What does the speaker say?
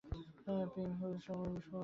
Ping হেকে সেতুতে বিষ্ফোরণ ঘটাতে বল!